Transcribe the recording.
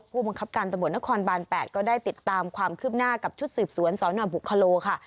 ผู้บังคับการตำรวจนครบาน๘ก็ได้ติดตามความคืบหน้ากับชุดสืบสวนสนบุคโลค่ะ